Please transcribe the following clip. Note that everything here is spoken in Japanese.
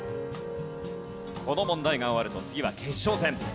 この問題が終わると次は決勝戦。